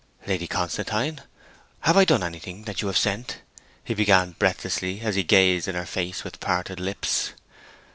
'Lady Constantine, have I done anything, that you have sent ?' he began breathlessly, as he gazed in her face, with parted lips.